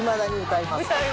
歌います。